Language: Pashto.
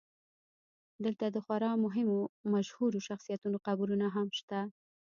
دلته د خورا مهمو مشهورو شخصیتونو قبرونه هم شته.